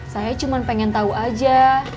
saya cuma pengen tahu aja